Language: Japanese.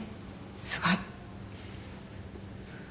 すごい。